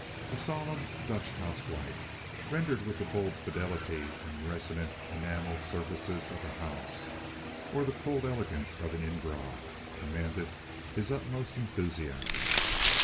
A solemn Dutch housewife, rendered with the bold fidelity and resonant enameled surfaces of a Hals or the cold elegance of an Ingres, commanded his utmost enthusiasm.